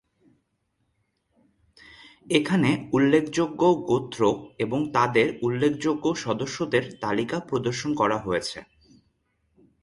এখানে উল্লেখযোগ্য গোত্র এবং তাদের উল্লেখযোগ্য সদস্যদের তালিকা প্রদর্শন করা হয়েছে।